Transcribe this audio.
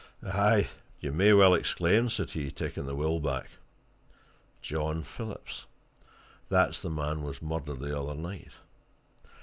"Aye, you may well exclaim!" said he, taking the will back. "John Phillips! that's the man was murdered the other night!